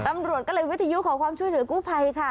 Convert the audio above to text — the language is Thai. ตำรวจก็เลยวิทยุขอความช่วยเหลือกู้ภัยค่ะ